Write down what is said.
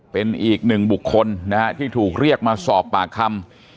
เป็นอีกหนึ่งบุคคลนะฮะที่ถูกเรียกมาสอบปากคำ